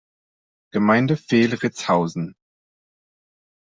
Gemeinde Fehl-Ritzhausen“.